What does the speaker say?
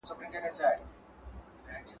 غړي به د سياسي ګوندونو د اهدافو استازيتوب کوي.